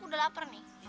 udah lapar nih